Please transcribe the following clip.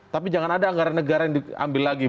tapi jangan ada anggaran negara yang diambil lagi